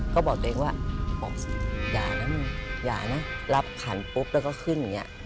ก็บอกตัวเองว่าบอกอย่านะมึงอย่านะรับขันปุ๊บแล้วก็ขึ้นอย่างนี้